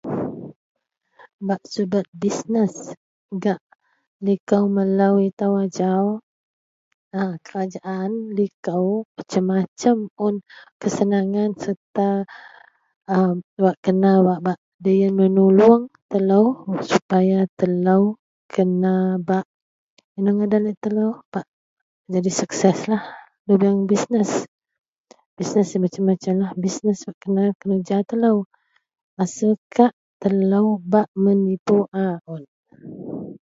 Bak subet bisnes gak liko melo ito ajau kerajaan liko masem masem un pesanan loyen serta wak kena bak menolong telo supaya telo kena bak ino ngadan laei telo jadi sukses lah Leela and I'm not that far I'm at home lobeng bisnes bisnes masem masem lah kenerja telo asel telo kak bak menipu a un.